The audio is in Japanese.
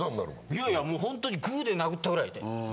いやいやもうホントにグーで殴ったぐらい痛い。